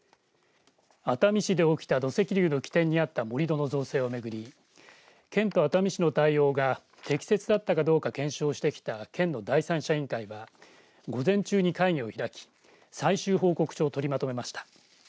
熱海市で起きた土石流の起点にあった盛り土の造成を巡り県と熱海市の対応が適切だったかどうか検証してきた県の第三者委員会は午前中に会議を開き最終報告書を取りまとめました。